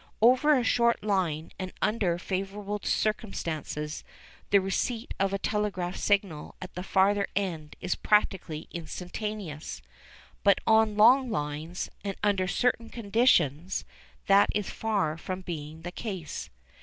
Over a short line and under favourable circumstances the receipt of a telegraph signal at the farther end is practically instantaneous, but on long lines, and under certain conditions, that is far from being the case.